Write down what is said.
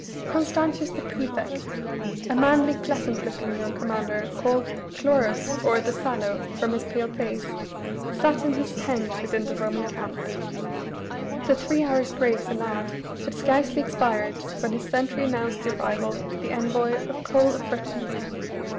Constantius the prefect a manly, pleasant looking young commander, called Chlorus or "the sallow," from his pale face, sat in his tent within the Roman camp. The three hours' grace allowed had scarcely expired when his sentry announced the arrival of the envoy of Coel of Britain.